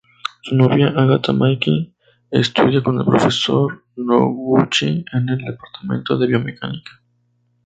Su novia, Agata Maki estudia con el Profesor Noguchi en el departamento de biomecánica.